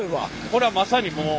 これはまさにもう。